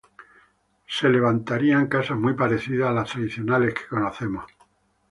Se levantarían casas muy parecidas a las tradicionales que conocemos.